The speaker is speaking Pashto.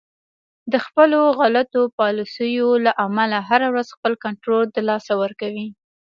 د خپلو غلطو پالیسیو له امله هر ورځ خپل کنترول د لاسه ورکوي